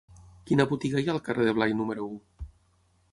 Quina botiga hi ha al carrer de Blai número u?